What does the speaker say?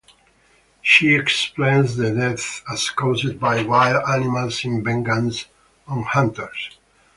She explains the deaths as caused by wild animals in vengeance on hunters.